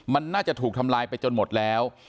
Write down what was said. มันน่าจะถูกทำลายไปจนหมดแล้ว